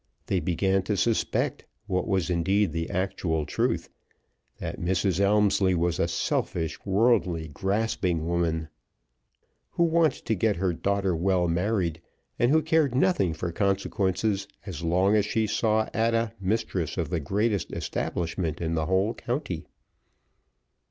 They began to suspect, what was indeed the actual truth, that Mrs. Elmslie was a selfish, worldly, grasping woman, who wanted to get her daughter well married, and cared nothing for consequences as long as she saw Ada mistress of the greatest establishment in the whole county.